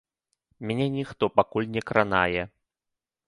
Мяне ніхто пакуль не кранае.